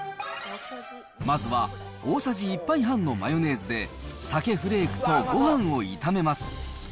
まずは、大さじ１杯半のマヨネーズで、鮭フレークとごはんを炒めます。